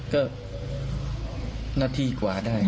ก็นาทีกว่าได้ครับ